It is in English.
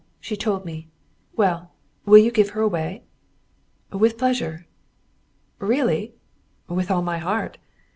She told me. Well, will you give her away?" "With pleasure." "Really?" "With all my heart."